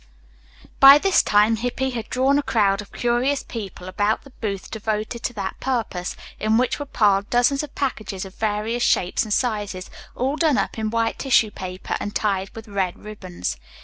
By this time Hippy had drawn a crowd of curious people about the booth devoted to that purpose, in which were piled dozens of packages of various shapes and sizes, all done up in white tissue paper and tied with red ribbons.